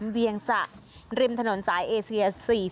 เวียงสะริมถนนสายเอเซีย๔๔